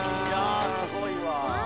すごいわ。